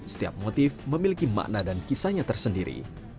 setiap motif memiliki makna dan kisahnya tersendiri